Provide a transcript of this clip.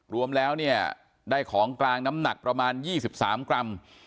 รวมแล้วเนี่ยได้ของกลางน้ำหนักประมาณ๒๓กรัม